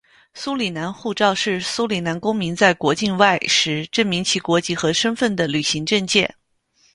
苏里南护照是苏里南公民在国境外时证明其国籍和身份的旅行证件。